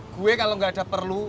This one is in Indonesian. gue kalau gak ada perlu